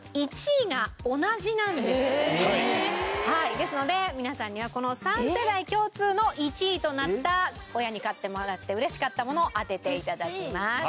ですので皆さんにはこの３世代共通の１位となった親に買ってもらって嬉しかったもの当てて頂きます。